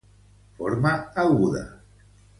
Forma aguda.